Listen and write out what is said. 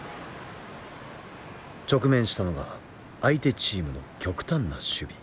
直面したのが相手チームの極端な守備。